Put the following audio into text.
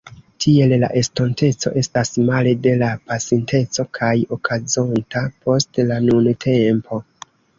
Tiel, la estonteco estas male de la pasinteco, kaj okazonta post la nuntempo.